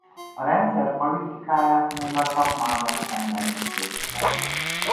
A rendszer politikáját még a szakmával szemben is védte.